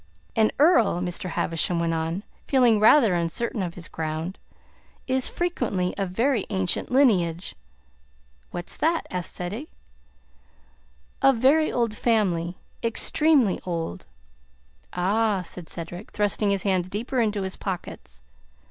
"An earl," Mr. Havisham went on, feeling rather uncertain of his ground, "is frequently of very ancient lineage " "What's that?" asked Ceddie. "Of very old family extremely old." "Ah!" said Cedric, thrusting his hands deeper into his pockets.